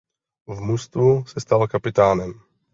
V mužstvu se stal kapitánem.